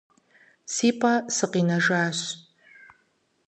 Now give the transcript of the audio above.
Си пӀэ сыкъинэжащ.